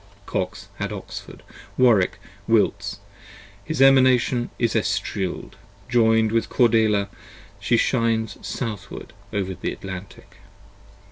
Kox had Oxford, Warwick, Wilts; his Emanation is Estrild: Join'd with Cordelia she shines southward over the Atlantic.